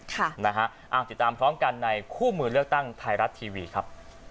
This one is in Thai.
ติดตามพร้อมกันในคู่มือเลือกตั้งไทยรัฐทีวีครับ